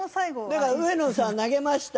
だから上野さん投げました。